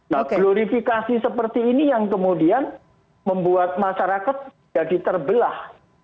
nah glorifikasi seperti ini yang kemudian membuat masyarakat jadi terbelah